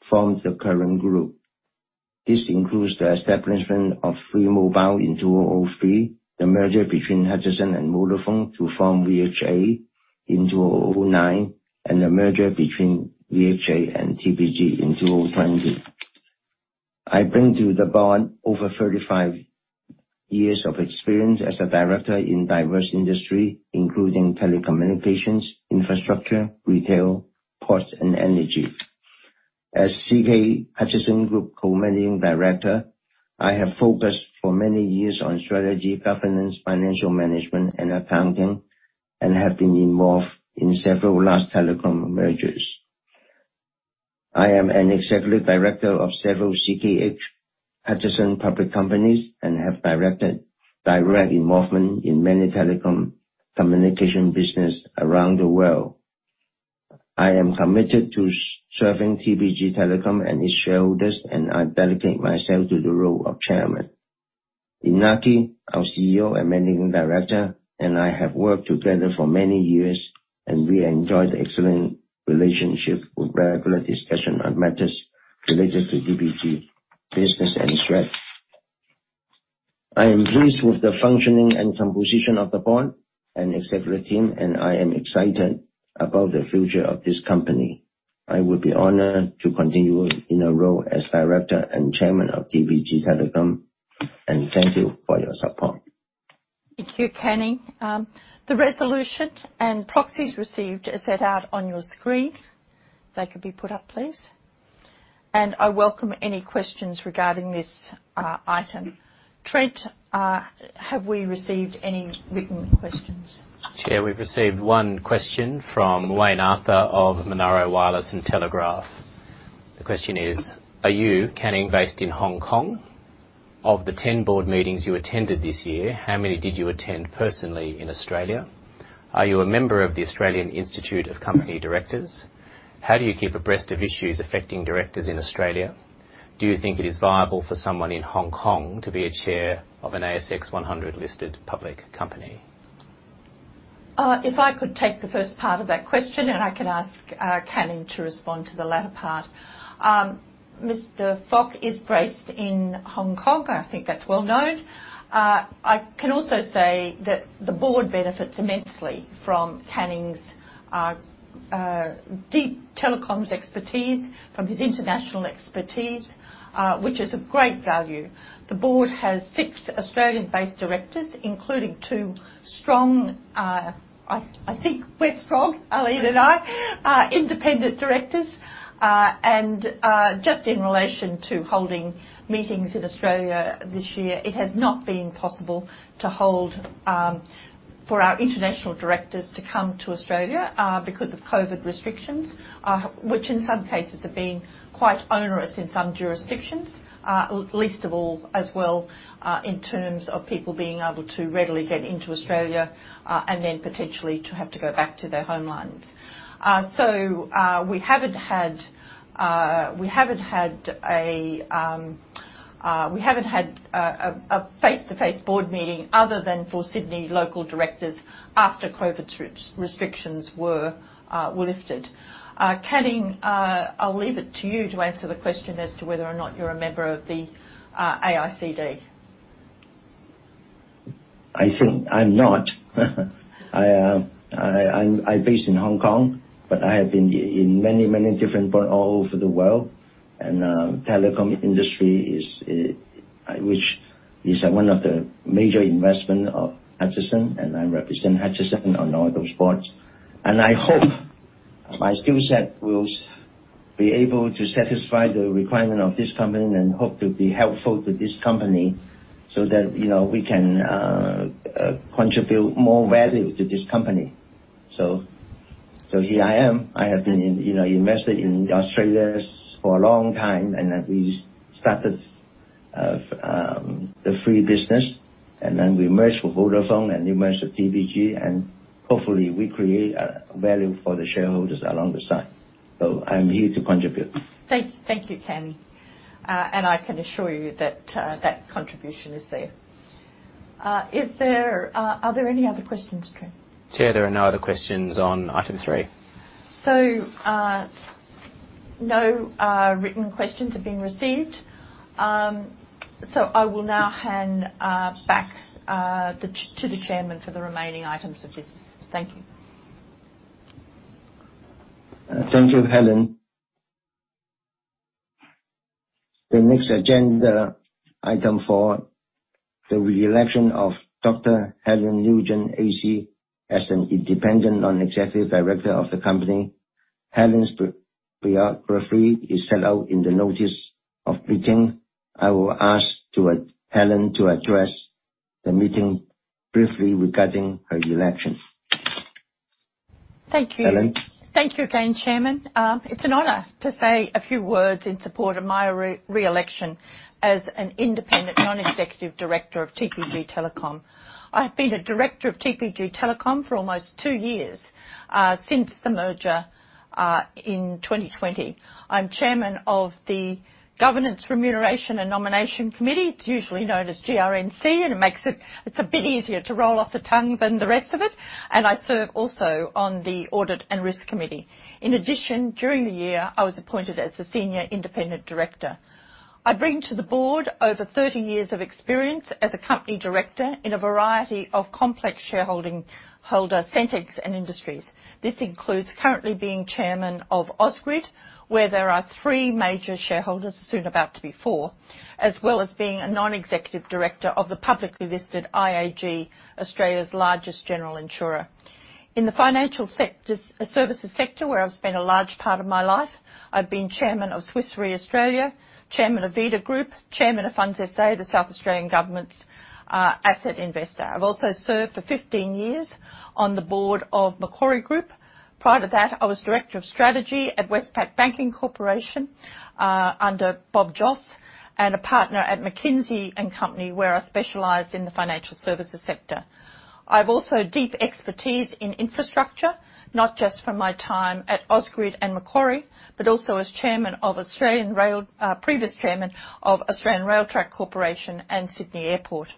formed the current group. This includes the establishment of Three Mobile in 2003, the merger between Hutchison and Vodafone to form VHA in 2009, and the merger between VHA and TPG in 2020. I bring to the board over 35 years of experience as a director in diverse industries, including telecommunications, infrastructure, retail, ports, and energy. As CK Hutchison Holdings Co-Managing Director, I have focused for many years on strategy, governance, financial management, and accounting and have been involved in several large telecom mergers. I am an Executive Director of several CK Hutchison Holdings public companies and have had direct involvement in many telecommunications businesses around the world. I am committed to serving TPG Telecom and its shareholders, and I dedicate myself to the role of Chairman. Iñaki, our CEO and Managing Director, and I have worked together for many years, and we enjoy the excellent relationship with regular discussions on matters related to TPG business and strategy. I am pleased with the functioning and composition of the board and executive team, and I am excited about the future of this company. I would be honored to continue in a role as Director and Chairman of TPG Telecom, and thank you for your support. Thank you, Canning. The resolution and proxies received are set out on your screen. If that could be put up, please. I welcome any questions regarding this item. Trent, have we received any written questions? Chair, we've received one question from Wayne Arthur of Monaro Wireless and Telegraph. The question is, are you Canning based in Hong Kong? Of the 10 board meetings you attended this year, how many did you attend personally in Australia? Are you a member of the Australian Institute of Company Directors? How do you keep abreast of issues affecting directors in Australia? Do you think it is viable for someone in Hong Kong to be a chair of an ASX 100-listed public company? If I could take the first part of that question, and I can ask Canning to respond to the latter part. Mr. Fok is based in Hong Kong. I think that's well-known. I can also say that the board benefits immensely from Canning's deep telecoms expertise, from his international expertise, which is of great value. The board has six Australian-based Directors, including two strong, I think we're strong, Helen and I, independent directors. Just in relation to holding meetings in Australia this year, it has not been possible for our international directors to come to Australia because of COVID restrictions. Which in some cases have been quite onerous in some jurisdictions, least of all as well, in terms of people being able to readily get into Australia, and then potentially to have to go back to their homelands. We haven't had a face-to-face board meeting other than for Sydney local directors after COVID travel restrictions were lifted. Canning, I'll leave it to you to answer the question as to whether or not you're a member of the AICD. I think I'm not. I'm based in Hong Kong, but I have been in many, many different boards all over the world. The telecom industry, which is one of the major investment of Hutchison, and I represent Hutchison on all those boards. I hope my skill set will be able to satisfy the requirement of this company and hope to be helpful to this company so that, you know, we can contribute more value to this company. Here I am. I have been, you know, invested in Australia for a long time, and we started the three business. Then we merged with Vodafone and we merged with TPG, and hopefully we create value for the shareholders alongside. I'm here to contribute. Thank you, Canning. I can assure you that contribution is there. Are there any other questions, Trent? Chair, there are no other questions on item three. No written questions have been received. I will now hand back to the chairman for the remaining items of business. Thank you. Thank you, Helen. The next agenda item four, the re-election of Dr. Helen Nugent AC as an independent Non-Executive Director of the company. Helen's biography is set out in the notice of meeting. I will ask Helen to address the meeting briefly regarding her election. Thank you. Helen. Thank you again, Chairman. It's an honor to say a few words in support of my re-election as an independent non-executive director of TPG Telecom. I've been a director of TPG Telecom for almost two years, since the merger, in 2020. I'm chairman of the Governance, Remuneration & Nomination Committee. It's usually known as GRNC, and it's a bit easier to roll off the tongue than the rest of it. I serve also on the Audit & Risk Committee. In addition, during the year, I was appointed as the senior independent director. I bring to the board over 30 years of experience as a company director in a variety of complex shareholder sectors and industries. This includes currently being Chairman of Ausgrid, where there are three major shareholders, soon about to be four, as well as being a Non-Executive Director of the publicly listed IAG, Australia's largest general insurer. In the financial services sector, where I've spent a large part of my life, I've been Chairman of Swiss Re Australia, Chairman of Vita Group, Chairman of Funds SA, the South Australian Government's asset investor. I've also served for 15 years on the board of Macquarie Group. Prior to that, I was Director of Strategy at Westpac Banking Corporation under Bob Joss, and a partner at McKinsey & Company, where I specialized in the financial services sector. I've also deep expertise in infrastructure, not just from my time at Ausgrid and Macquarie, but also as chairman of Australian Rail Track Corporation, previous chairman of Australian Rail Track Corporation and Sydney Airport.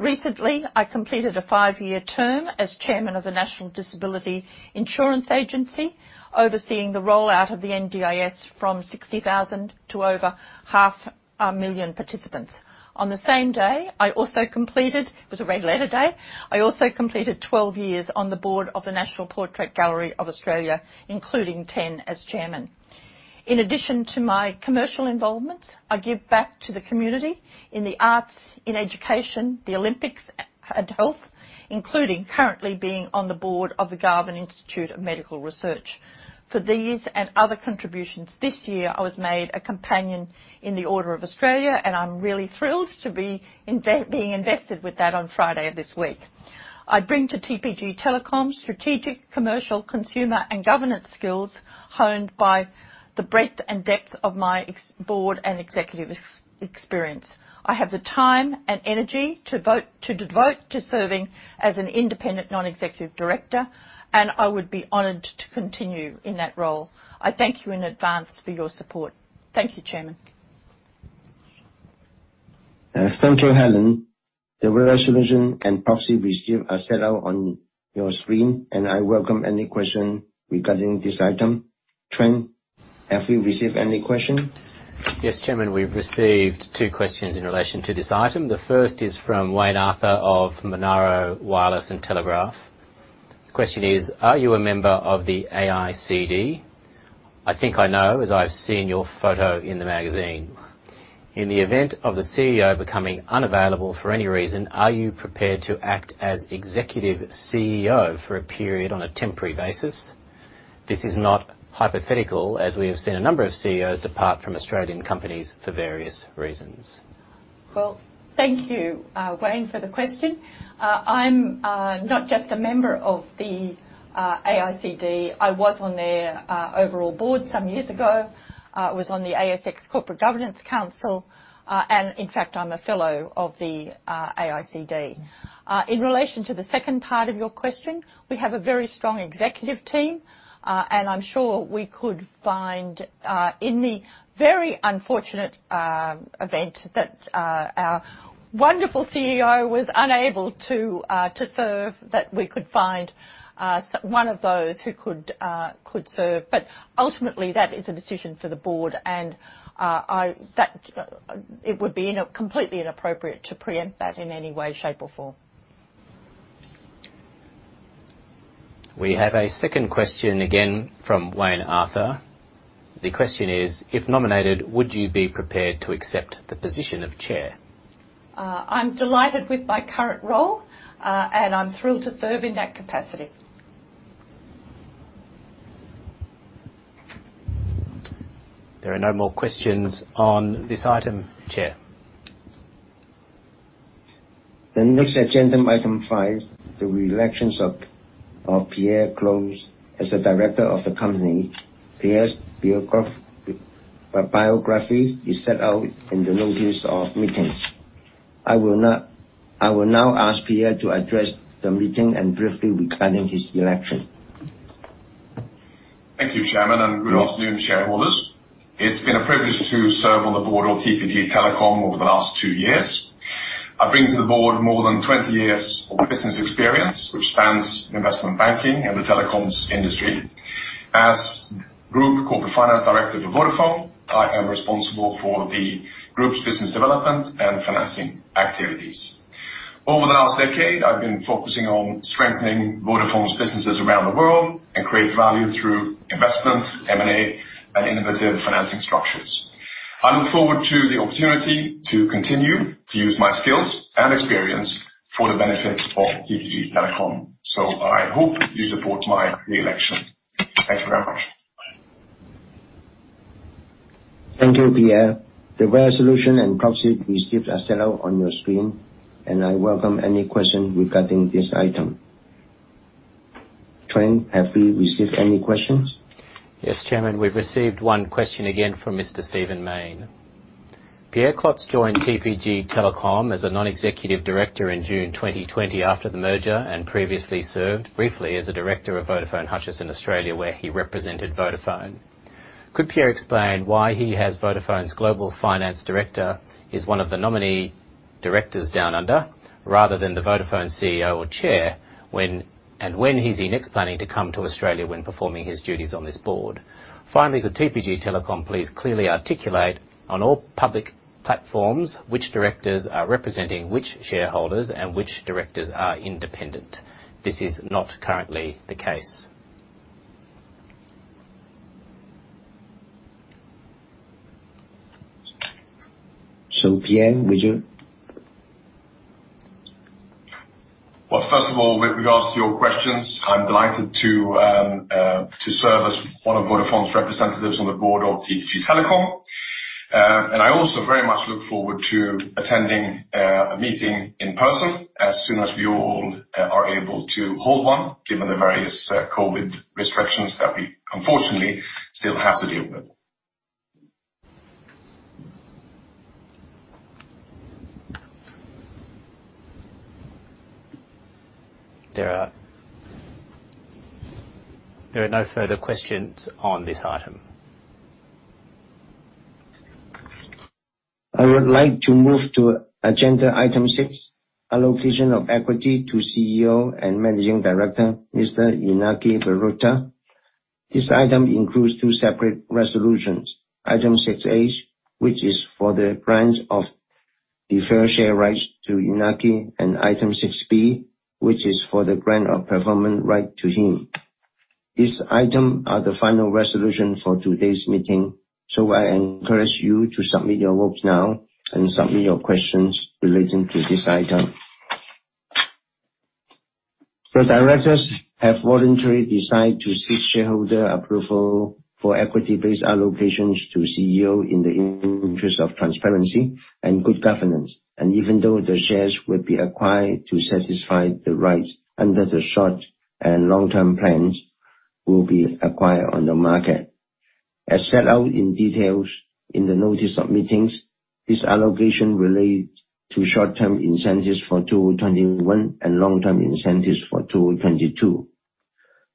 Recently, I completed a five-year term as chairman of the National Disability Insurance Agency, overseeing the rollout of the NDIS from 60,000 to over 500,000 participants. On the same day, it was a red letter day, I also completed 12 years on the board of the National Portrait Gallery of Australia, including 10 as chairman. In addition to my commercial involvement, I give back to the community in the arts, in education, the Olympics, and health, including currently being on the board of the Garvan Institute of Medical Research. For these and other contributions this year, I was made a companion in the Order of Australia, and I'm really thrilled to be invested with that on Friday of this week. I bring to TPG Telecom strategic commercial consumer and governance skills honed by the breadth and depth of my board and executive experience. I have the time and energy to devote to serving as an independent Non-Executive Director, and I would be honored to continue in that role. I thank you in advance for your support. Thank you, Chairman. Thank you, Helen. The resolution and proxy received are set out on your screen, and I welcome any question regarding this item. Trent, have you received any question? Yes, Chairman. We've received two questions in relation to this item. The first is from Wayne Arthur of Monaro Wireless and Telegraph. The question is: Are you a member of the AICD? I think I know, as I've seen your photo in the magazine. In the event of the CEO becoming unavailable for any reason, are you prepared to act as executive CEO for a period on a temporary basis? This is not hypothetical, as we have seen a number of CEOs depart from Australian companies for various reasons. Well, thank you, Wayne, for the question. I'm not just a member of the AICD. I was on their overall board some years ago. I was on the ASX Corporate Governance Council. In fact, I'm a fellow of the AICD. In relation to the second part of your question, we have a very strong executive team. I'm sure we could find, in the very unfortunate event that our wonderful CEO was unable to serve, that we could find one of those who could serve. Ultimately, that is a decision for the board. That it would be completely inappropriate to preempt that in any way, shape, or form. We have a second question, again from Wayne Arthur. The question is: If nominated, would you be prepared to accept the position of Chair? I'm delighted with my current role, and I'm thrilled to serve in that capacity. There are no more questions on this item, Chair. The next agenda item, five, the re-election of Pierre Klotz as a Director of the company. Pierre's biography is set out in the notice of meetings. I will now ask Pierre to address the meeting and briefly regarding his election. Thank you, Chairman, and good afternoon, shareholders. It's been a privilege to serve on the board of TPG Telecom over the last two years. I bring to the board more than 20 years of business experience, which spans investment banking and the telecom industry. As Group Corporate Finance Director for Vodafone, I am responsible for the group's business development and financing activities. Over the last decade, I've been focusing on strengthening Vodafone's businesses around the world and create value through investment, M&A, and innovative financing structures. I look forward to the opportunity to continue to use my skills and experience for the benefit of TPG Telecom. I hope you support my re-election. Thank you very much. Thank you, Pierre. The resolution and proxy received are set out on your screen, and I welcome any question regarding this item. Trent, have we received any questions? Yes, Chairman, we've received one question again from Mr. Stephen Mayne. Pierre Klotz joined TPG Telecom as a Non-Executive Director in June 2020 after the merger, and previously served briefly as a director of Vodafone Hutchison Australia, where he represented Vodafone. Could Pierre explain why he, as Vodafone's Global Finance Director, is one of the nominee directors down under, rather than the Vodafone CEO or Chair? When is he next planning to come to Australia when performing his duties on this board? Finally, could TPG Telecom please clearly articulate on all public platforms which directors are representing which shareholders and which directors are independent? This is not currently the case. Pierre, would you? Well, first of all, with regards to your questions, I'm delighted to serve as one of Vodafone's representatives on the board of TPG Telecom. I also very much look forward to attending a meeting in person as soon as you all are able to hold one, given the various COVID restrictions that we unfortunately still have to deal with. There are no further questions on this item. I would like to move to agenda item six, allocation of equity to CEO and Managing Director, Mr. Iñaki Berroeta. This item includes two separate resolutions. Item 6A, which is for the grant of the fair share rights to Iñaki and Item 6B, which is for the grant of performance right to him. These items are the final resolution for today's meeting, so I encourage you to submit your votes now and submit your questions relating to this item. The Directors have voluntarily decided to seek shareholder approval for equity-based allocations to CEO in the interest of transparency and good governance. Even though the shares will be acquired to satisfy the rights under the short and long-term plans will be acquired on the market. As set out in details in the notice of meetings, this allocation relate to short-term incentives for 2021 and long-term incentives for 2022.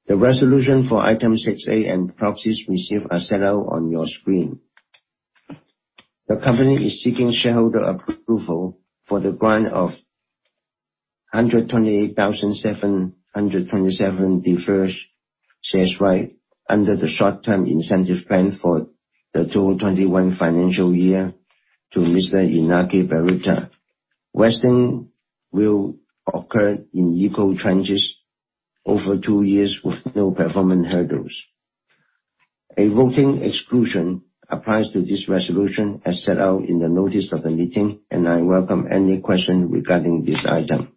The resolution for Item 6A and proxies received are set out on your screen. The company is seeking shareholder approval for the grant of 128,727 deferred share rights under the short-term incentive plan for the 2021 financial year to Mr. Iñaki Berroeta. Vesting will occur in equal tranches over 2two years with no performance hurdles. A voting exclusion applies to this resolution as set out in the notice of the meeting, and I welcome any questions regarding this item.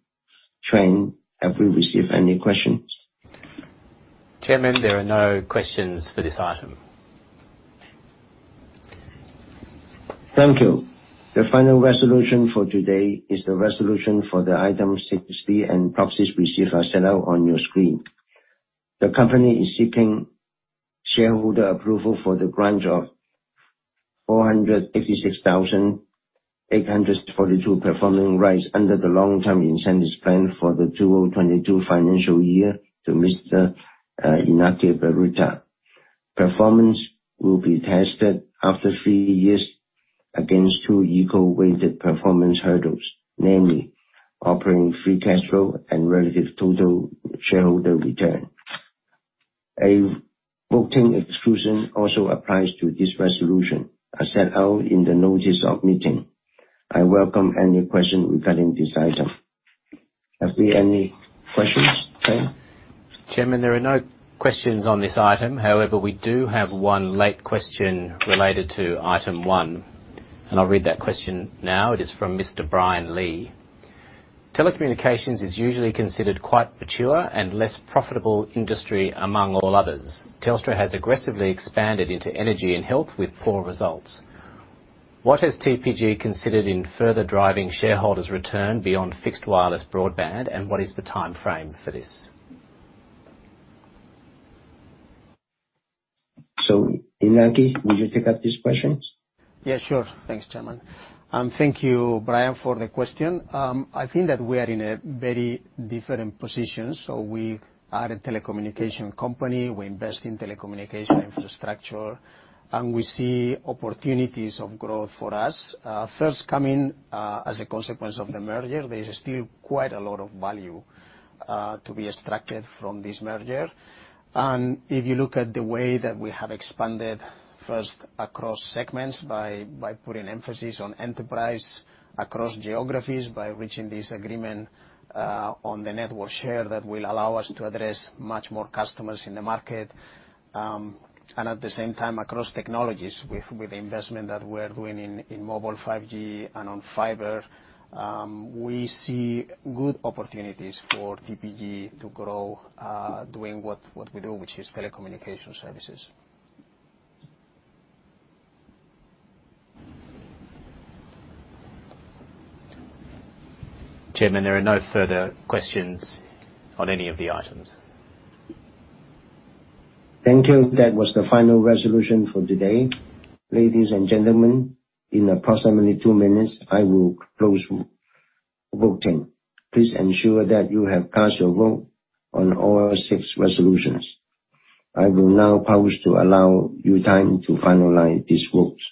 Trent, have we received any questions? Chairman, there are no questions for this item. Thank you. The final resolution for today is the resolution for Item 6B. Proxies received are set out on your screen. The company is seeking shareholder approval for the grant of 486,842 performing rights under the long-term incentive plan for the 2022 financial year to Mr. Iñaki Berroeta. Performance will be tested after three years against two equal weighted performance hurdles, namely operating free cash flow and relative total shareholder return. A voting exclusion also applies to this resolution as set out in the notice of meeting. I welcome any question regarding this item. Have we any questions, Trent? Chairman, there are no questions on this item. However, we do have one late question related to item one, and I'll read that question now. It is from Mr. Brian Lee. Telecommunications is usually considered quite mature and less profitable industry among all others. Telstra has aggressively expanded into energy and health with poor results. What has TPG considered in further driving shareholders' return beyond fixed wireless broadband, and what is the timeframe for this? Iñaki, would you take up these questions? Yeah, sure. Thanks, Chairman. Thank you, Brian, for the question. I think that we are in a very different position. We are a telecommunications company. We invest in telecommunications infrastructure, and we see opportunities of growth for us. First coming as a consequence of the merger, there is still quite a lot of value to be extracted from this merger. If you look at the way that we have expanded first across segments by putting emphasis on enterprise across geographies, by reaching this agreement on the network share that will allow us to address much more customers in the market. At the same time across technologies with the investment that we're doing in mobile 5G and on fiber, we see good opportunities for TPG to grow, doing what we do, which is telecommunications services. Chairman, there are no further questions on any of the items. Thank you. That was the final resolution for today. Ladies and gentlemen, in approximately two minutes I will close voting. Please ensure that you have cast your vote on all six resolutions. I will now pause to allow you time to finalize these votes.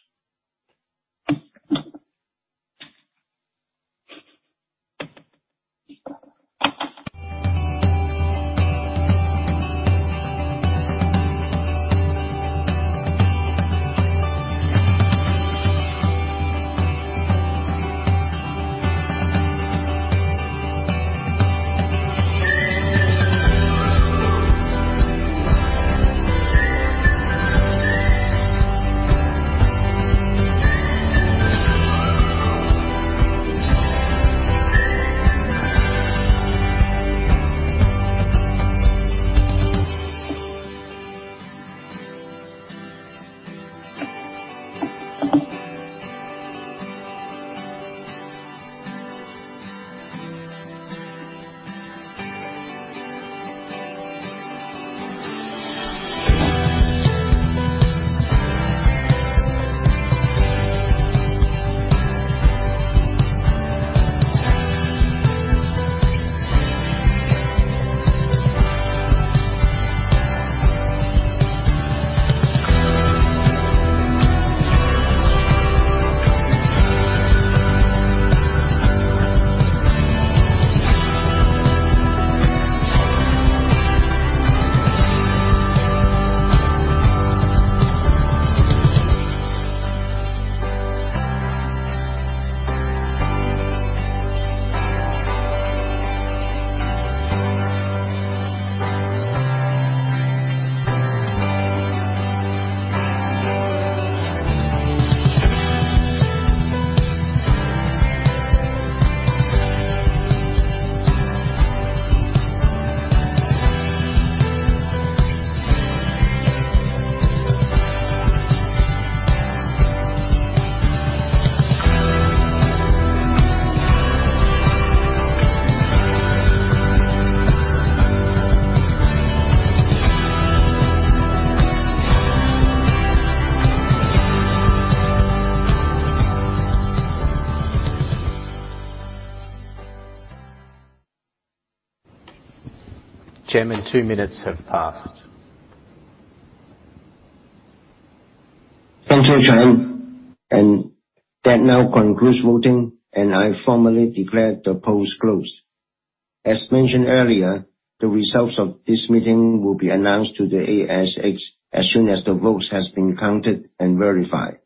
Chairman, two minutes have passed. Thank you, Trent. That now concludes voting, and I formally declare the polls closed. As mentioned earlier, the results of this meeting will be announced to the ASX as soon as the votes has been counted and verified.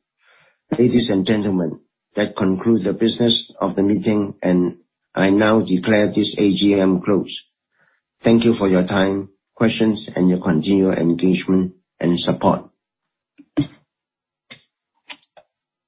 Ladies and gentlemen, that concludes the business of the meeting, and I now declare this AGM closed. Thank you for your time, questions, and your continued engagement and support.